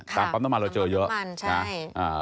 จากปั๊มน้ำมันเราเจอเยอะนะจากปั๊มน้ำมันใช่